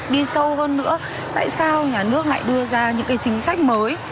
đi sâu hơn nữa tại sao nhà nước lại đưa ra những cái chính sách mới